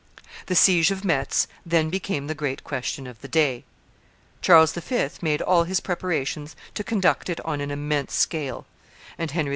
The siege of Metz then became the great question of the day: Charles V. made all his preparations to conduct it on an immense scale, and Henry II.